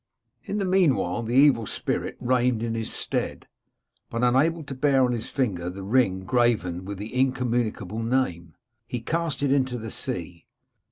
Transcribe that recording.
In the meanwhile the evil spirit reigned in his stead, but unable to bear on his finger the ring graven with the Incommunicable Name, he cast it into the sea.